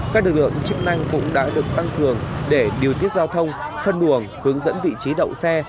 các lực lượng chức năng cũng đã được tăng cường để điều tiết giao thông phân luồng hướng dẫn vị trí đậu xe